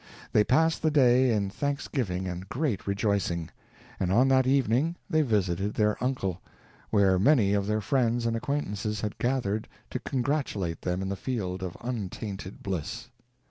They passed the day in thanksgiving and great rejoicing, and on that evening they visited their uncle, where many of their friends and acquaintances had gathered to congratulate them in the field of untainted bliss.